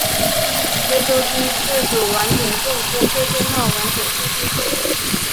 接收机自主完整性监测信号完整性的技术。